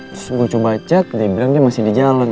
terus gue coba cek dia bilang dia masih di jalan